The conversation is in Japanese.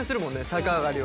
逆上がりは。